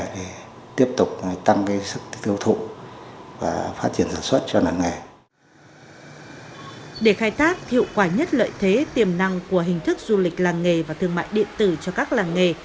để khai thác hiệu quả nhất lợi thế tiềm năng của hình thức du lịch làng nghề và thương mại điện tử cho các làng nghề